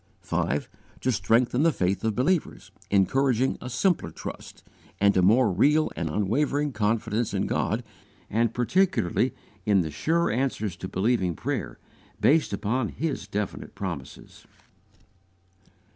5. To strengthen the faith of believers, encouraging a simpler trust, and a more real and unwavering confidence in God, and particularly in the sure answers to believing prayer, based upon His definite promises.